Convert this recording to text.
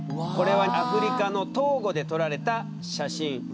これはアフリカのトーゴで撮られた写真。